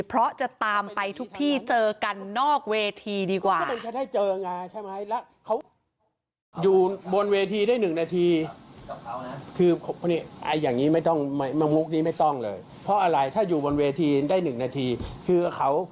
เพราะจะตามไปทุกที่เจอกันนอกเวทีดีกว่า